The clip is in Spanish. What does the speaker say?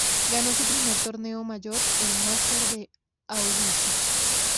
Ganó su primer torneo mayor, el Masters de Augusta.